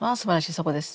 そこです。